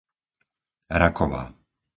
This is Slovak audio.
Raková